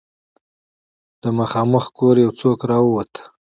له مخامخ کوره يو څوک را ووت.